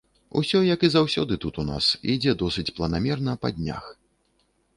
Усё як і заўсёды тут у нас, ідзе досыць планамерна па днях.